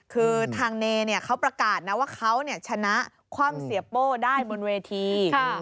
คือทางเนเขาประกาศนะว่าเขาชนะคว่ำเสียโป้ได้บนเวที